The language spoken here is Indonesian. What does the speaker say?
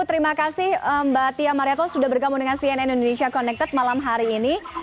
terima kasih mbak tia mariato sudah bergabung dengan cnn indonesia connected malam hari ini